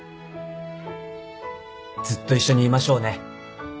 ずっと一緒にいましょうね。